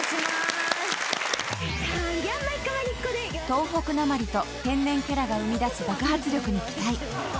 ［東北なまりと天然キャラが生み出す爆発力に期待］